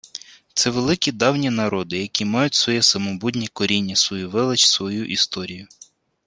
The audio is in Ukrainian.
Це великі, давні народи, які мають своє самобутнє коріння, свою велич, свою історію